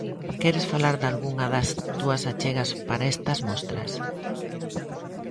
Queres falar dalgunha das túas achegas para estas mostras?